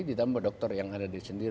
ditambah dokter yang ada di sendiri